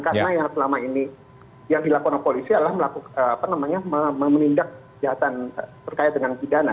karena yang selama ini yang dilakukan oleh polisi adalah menindak jahatan terkait dengan pidana